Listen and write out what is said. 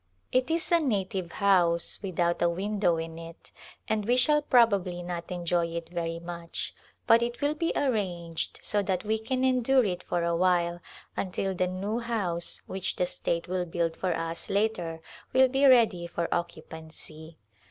It is a native house without a window in it and we shall probably not enjoy it very much but it will be arranged so that we can endure it for a while, until the new house which the state will build for us later will be ready for occupancy.